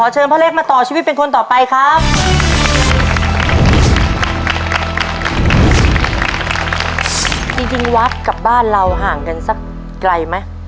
จริงจริงวัดกับบ้านเราห่างกันสักไกลไหม